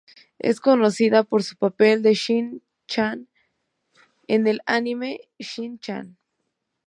Es conocida por su papel de Shin-chan en el anime "Shin-chan".